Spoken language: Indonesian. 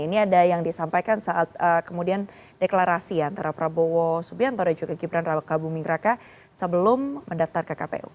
ini ada yang disampaikan saat kemudian deklarasi antara prabowo subianto dan juga gibran raka buming raka sebelum mendaftar ke kpu